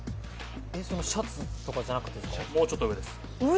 シャツとかじゃなくてですか？